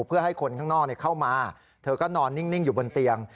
เพื่อให้คนข้างนอกเข้ามาเธอก็นอนนิ่งอยู่บนเตียง